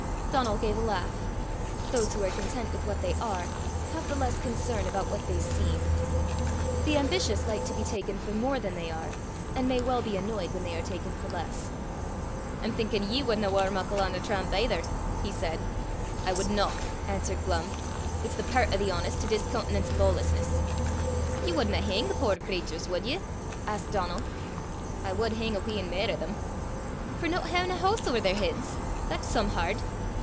Donal gave a laugh. Those who are content with what they are, have the less concern about what they seem. The ambitious like to be taken for more than they are, and may well be annoyed when they are taken for less. "I'm thinkin' ye wadna waur muckle on a tramp aither!" he said. "I wad not," answered Glumm. "It's the pairt o' the honest to discoontenance lawlessness." "Ye wadna hang the puir craturs, wad ye?" asked Donal. "I wad hang a wheen mair o' them." "For no haein' a hoose ower their heids? That's some hard!